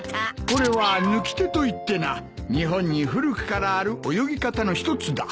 これは抜き手といってな日本に古くからある泳ぎ方の一つだ。